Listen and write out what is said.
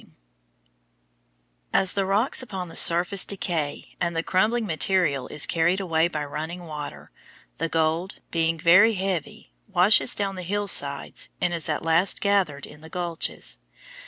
HYDRAULIC MINING ON THE KLAMATH RIVER, CALIFORNIA] As the rocks upon the surface decay and the crumbling material is carried away by running water, the gold, being very heavy, washes down the hillsides and is at last gathered in the gulches.